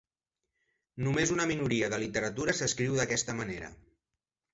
Només una minoria de literatura s'escriu d'aquesta manera.